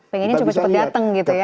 pengennya cepat cepat datang gitu ya